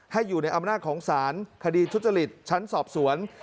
อยู่ในอำนาจของศาลคดีทุจริตชั้นสอบสวน